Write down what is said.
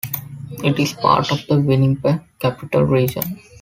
It is part of the Winnipeg Capital Region.